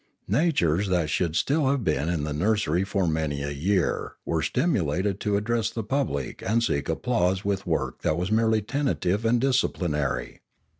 Natures that should still have been in the nursery for many a year were stimulated to address the public and seek applause with work that was merely tentative and disciplinary.